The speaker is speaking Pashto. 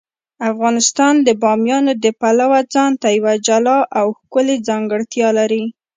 افغانستان د بامیان د پلوه ځانته یوه جلا او ښکلې ځانګړتیا لري.